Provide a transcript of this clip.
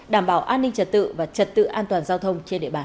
đảm bảo an ninh trật tự và trật tự an toàn giao thông trên địa bàn